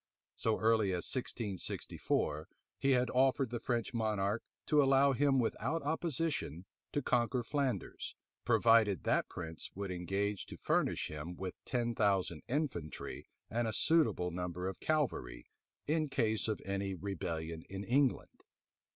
So early as 1664, he had offered the French monarch to allow him without opposition to conquer Flanders, provided that prince would engage to furnish him with ten thousand infantry, and a suitable number of cavalry, in case of any rebellion in England.